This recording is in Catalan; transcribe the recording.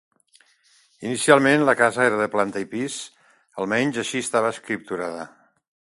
Inicialment la casa era de planta i pis, almenys així estava escripturada.